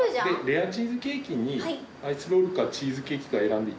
レアチーズケーキにアイスロールかチーズケーキか選んでいただければ。